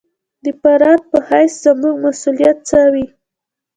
د فرد په حیث زموږ مسوولیت څه وي.